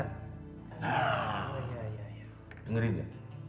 nah dengerin ya